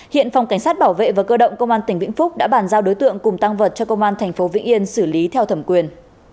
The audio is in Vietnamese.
hiện phòng cảnh sát bảo vệ và cơ động công an tỉnh vĩnh phúc đã bàn giao đối tượng cùng tăng vật cho công an tp vĩnh yên xử lý theo thẩm quyền